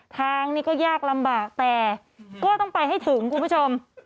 ทางนี้ก็ยากลำบากแต่ก็ต้องไปให้ถึงคุณผู้ชม